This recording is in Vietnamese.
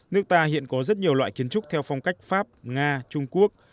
nước ta hiện có rất nhiều loại kiến trúc theo phong cách pháp nga trung quốc